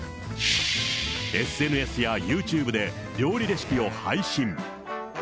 ＳＮＳやユーチューブで料理レシピを配信。